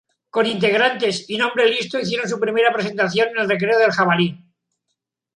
Con integrantes y nombre listo hicieron su primera presentación en El Recreo del Jabalí.